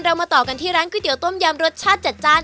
มาต่อกันที่ร้านก๋วเตี๋ต้มยำรสชาติจัดจ้าน